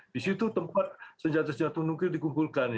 di situ tempat senjata senjata nuklir dikumpulkan